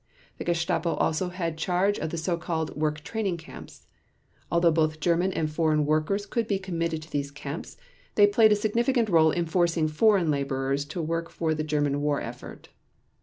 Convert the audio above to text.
The Gestapo also had charge of the so called work training camps. Although both German and foreign workers could be committed to these camps, they played a significant role in forcing foreign laborers to work for the German war effort.